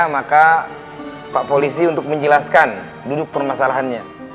maka pak polisi untuk menjelaskan duduk permasalahannya